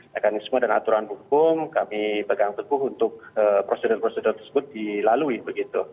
mekanisme dan aturan hukum kami pegang teguh untuk prosedur prosedur tersebut dilalui begitu